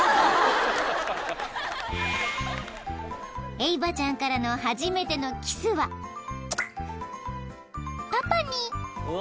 ［エイヴァちゃんからの初めてのキスはパパに］